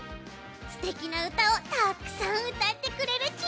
すてきなうたをたくさんうたってくれるち！